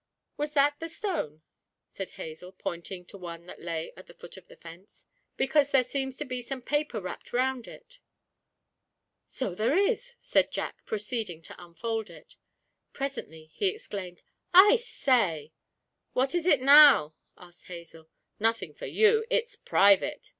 'Was that the stone?' said Hazel, pointing to one that lay at the foot of the fence; 'because there seems to be some paper wrapped round it.' 'So there is!' said Jack, proceeding to unfold it. Presently he exclaimed, 'I say!' 'What is it now?' asked Hazel. 'Nothing for you it's private!'